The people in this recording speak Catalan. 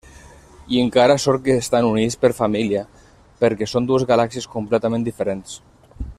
I encara sort que estan units per família, perquè són dues galàxies completament diferents.